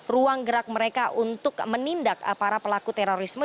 ruang gerak mereka untuk menindak para pelaku terorisme